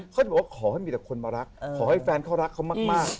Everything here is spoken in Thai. เขาบอกว่าขอให้มีแต่คนมารักขอให้แฟนเขารักเขามาก